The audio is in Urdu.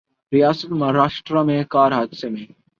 ریاست مہاراشٹرا میں کار حادثے میں